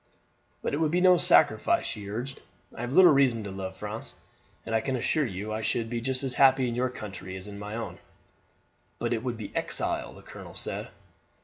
"But it would be no sacrifice," she urged. "I have little reason to love France, and I can assure you I should be just as happy in your country as in my own." "But it would be exile," the colonel said.